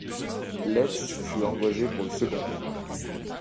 Letts fut engagé pour le seconder.